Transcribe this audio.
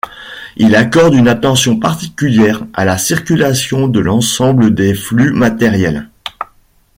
Il accorde une attention particulière à la circulation de l'ensemble des flux matériels.